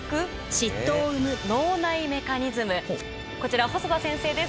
こちら細田先生です